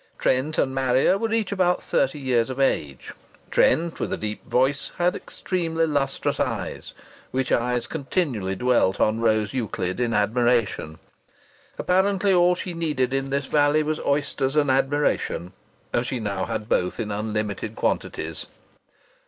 Trent and Marrier were each about thirty years of age. Trent, with a deep voice, had extremely lustrous eyes, which eyes continually dwelt on Rose Euclid in admiration. Apparently, all she needed in this valley was oysters and admiration, and she now had both in unlimited quantities.